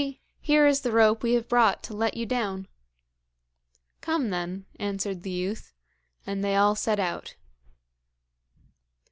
here is the rope we have brought to let you down.' 'Come, then,' answered the youth. And they all set out.